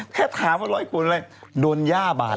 แค่ถามว่าร้อยโคลนอะไรโดนหญ้าบาท